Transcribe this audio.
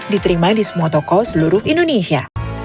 diterima di semua toko seluruh indonesia